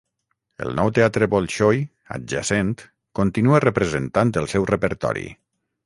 El Nou Teatre Bolxoi, adjacent, continua representant el seu repertori.